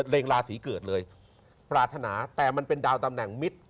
เล็งราศีเกิดเลยปรารถนาแต่มันเป็นดาวตำแหน่งมิตร